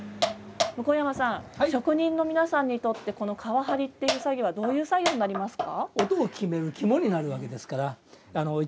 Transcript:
向山さん、職人の皆さんにとってこの皮張りという作業はどういう作業になりますか？